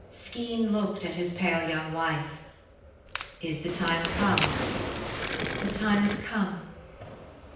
Skene looked at his pale young wife: "Is the time come?" "The time is come!"